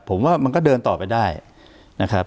ผมว่ามันก็เดินต่อไปได้นะครับ